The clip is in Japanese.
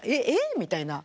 みたいな。